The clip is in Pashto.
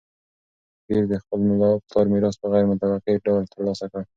پییر د خپل پلار میراث په غیر متوقع ډول ترلاسه کړ.